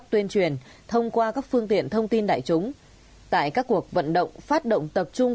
tuyên truyền thông qua các phương tiện thông tin đại chúng tại các cuộc vận động phát động tập trung